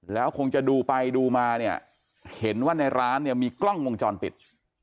แล้วคงจะดูไปดูมาเนี่ยเห็นว่าในร้านเนี่ยมีกล้องวงจรปิด